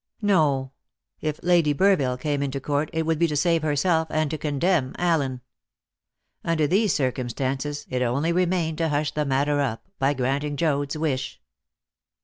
No; if Lady Burville came into court, it would be to save herself, and to condemn Allen. Under these circumstances, it only remained to hush the matter up by granting Joad's wish.